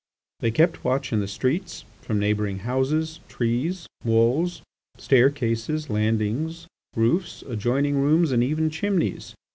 They kept watch in the streets, from neighbouring houses, trees, walls, stair cases, landings, roofs, adjoining rooms, and even chimneys.